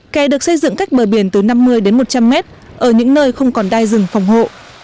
kè được xây dựng cách bờ biển từ năm mươi đến một trăm linh mét ở những nơi không còn đai rừng phòng hộ